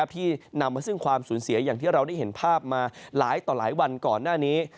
ที่นำไปซึ่งสูญเสียอ่างที่เห็นภาพมาสามารถก่อนหน้านี้